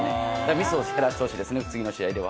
ミスを減らしてほしいですね、次の試合では。